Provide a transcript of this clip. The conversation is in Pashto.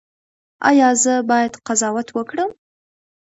ایا زه باید قضاوت وکړم؟